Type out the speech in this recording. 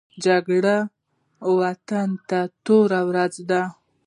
جګړه وطن ته توره ورځ ده